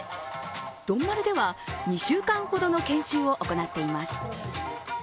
丼丸では２週間ほどの研修を行っています。